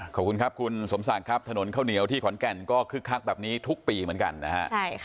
ขอบคุณครับคุณสมศักดิ์ครับถนนข้าวเหนียวที่ขอนแก่นก็คึกคักแบบนี้ทุกปีเหมือนกันนะฮะ